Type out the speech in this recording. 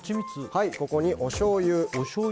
ここにおしょうゆ。